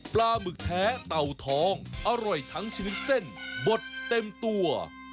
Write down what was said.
ปลาหมึกแท้เต่าทองอร่อยทั้งชนิดเส้นบดเต็มตัว